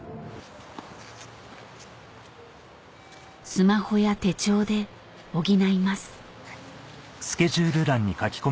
スマホや手帳で補います